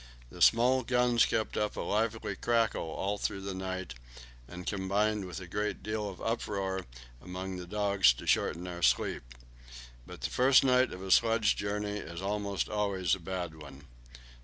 The small guns kept up a lively crackle all through the night, and combined with a good deal of uproar among the dogs to shorten our sleep. But the first night of a sledge journey is almost always a bad one.